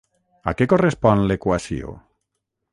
A què correspon l'equació?